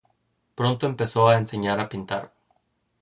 Pronto empezó a enseñar a pintar.